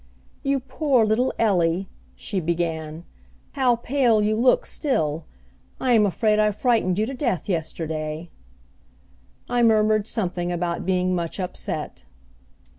"You poor little Ellie," she began, "how pale you look still! I am afraid I frightened you to death yesterday." I murmured something about being much upset.